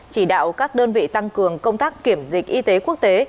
chỉ đạo các đơn vị tăng cường công tác kiểm dịch y tế quốc tế